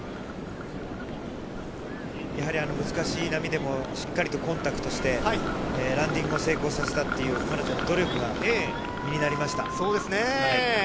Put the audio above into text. やはり難しい波でもしっかりとコンタクトして、ランディングも成功させたっていう彼女の努力が身になりました。